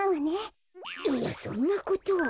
いやそんなことは。